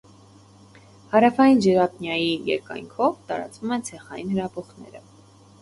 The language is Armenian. Հարավային ջրափնյայի երկայնքով տարածվում են ցեխային հրաբուխները։